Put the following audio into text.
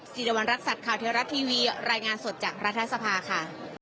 สิริวัณรักษัตริย์ข่าวเทวรัฐทีวีรายงานสดจากรัฐสภาค่ะ